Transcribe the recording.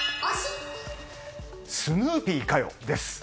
スヌーピーかよ？です。